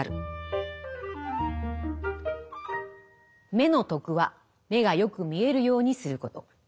目の徳は目がよく見えるようにすること。